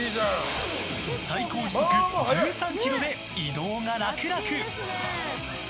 最高時速１３キロで移動が楽々。